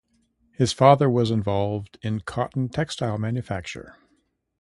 His father was involved in cotton textile manufacture.